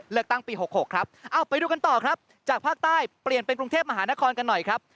เลือกตั้งปี๖๖ครับเอาไปดูกันต่อครับจากภาคใต้เปลี่ยนเป็นกรุงเทพมหานครกันหน่อยครับ